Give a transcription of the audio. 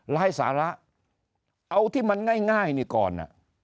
สาระเอาที่มันง่ายนี่ก่อน